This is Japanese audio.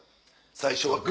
最初はグ！